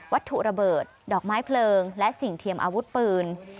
วัตถุระเบิดดอกไม้เพลิงและสิ่งเทียมอาวุธปืน